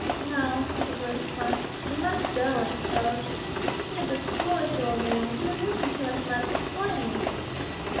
"No," was Roy's response, "we must go, I suppose. He is a foolish, stupid old man, or he would listen to us and let us explain."